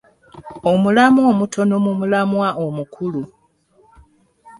Omulamwa omutono mu mulamwa omukulu